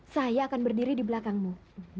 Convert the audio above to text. saya akan berdiri di belakangmu